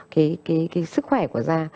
cái sức khỏe của da